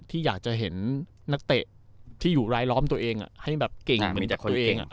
ที่อยากจะเห็นนักเตะที่อยู่รายล้อมตัวเองให้แบบเก่งเหมือนจากตัวเอง